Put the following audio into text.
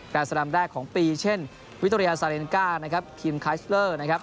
การสรรค์แรมแรกของปีเช่นวิตุรียาซาเลนกาครีมคลัยส์เลอร์